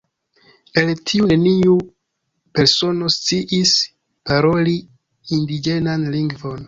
El tiuj neniu persono sciis paroli indiĝenan lingvon.